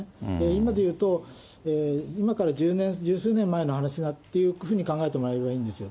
今で言うと、今から十数年前の話だというふうに考えてもらえればいいんですよ。